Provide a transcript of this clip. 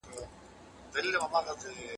کره ژبه ځينې وخت پېچلې وي.